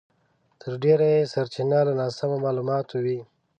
تر ډېره یې سرچينه له ناسمو مالوماتو وي.